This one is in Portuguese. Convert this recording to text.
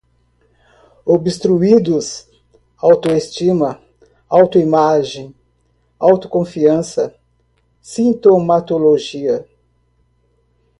obstruídos, autoestima, autoimagem, autoconfiança, sintomatologia